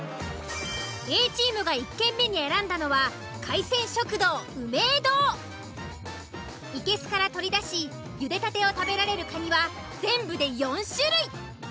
Ａチームが１軒目に選んだのは海鮮食堂生けすから取り出しゆでたてを食べられるカニは全部で４種類。